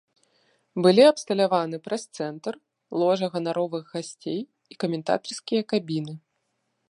Былі абсталяваны прэс-цэнтр, ложа ганаровых гасцей і каментатарскія кабіны.